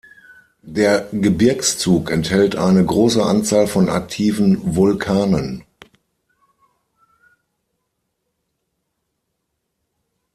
Der Gebirgszug enthält eine große Anzahl von aktiven Vulkanen.